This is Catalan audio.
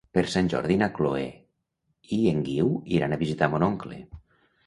Per Sant Jordi na Chloé i en Guiu iran a visitar mon oncle.